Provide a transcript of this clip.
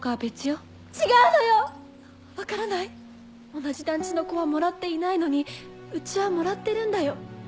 同じ団地の子はもらっていないのにうちはもらってるんだよ。